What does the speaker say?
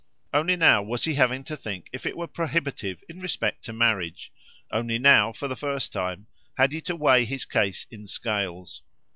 Only now was he having to think if it were prohibitive in respect to marriage; only now, for the first time, had he to weigh his case in scales.